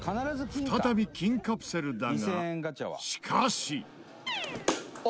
再び金カプセルだがしかし。